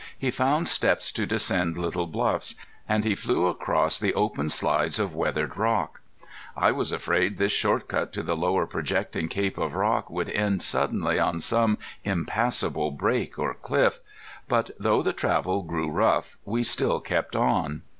He found steps to descend little bluffs, and he flew across the open slides of weathered rock. I was afraid this short cut to the lower projecting cape of rock would end suddenly on some impassable break or cliff, but though the travel grew rough we still kept on.